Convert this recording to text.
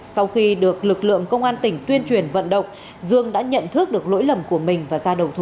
sau khi được lực lượng công an tỉnh tuyên truyền vận động dương đã nhận thức được lỗi lầm của mình và ra đầu thú